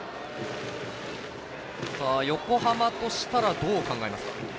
横浜としたら、どう考えますか？